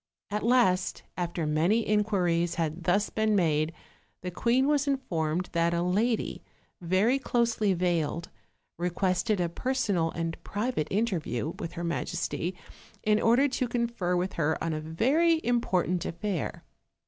At last, after many inquiries had thus been made, the queen was informed that a lady, very closely veiled, requested a personal and private interview with her majesty, in order to confer with her on a very im portant affair.